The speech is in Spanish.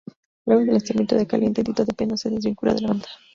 Luego del lanzamiento de Caliente, Tito de Piano se desvincula de la banda.